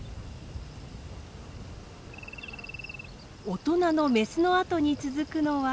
大人のメスの後に続くのは。